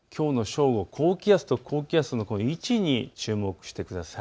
高気圧と高気圧の位置に注目してください。